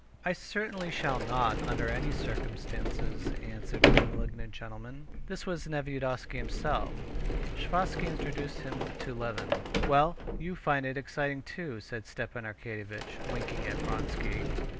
"I certainly shall not, under any circumstances," answered the malignant gentleman. This was Nevyedovsky himself. Sviazhsky introduced him to Levin. "Well, you find it exciting too?" said Stepan Arkadyevitch, winking at Vronsky.